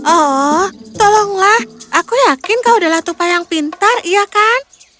oh tolonglah aku yakin kau adalah tupa yang pintar iya kan